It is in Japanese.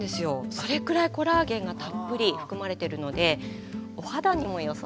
それくらいコラーゲンがたっぷり含まれてるのでお肌にもよさそうですよね。